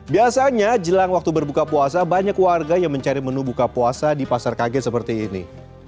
biasanya jelang waktu berbuka puasa banyak warga yang mencari menu buka puasa di pasar kaget seperti ini